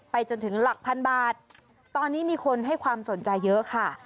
จนถึงหลักพันบาทตอนนี้มีคนให้ความสนใจเยอะค่ะ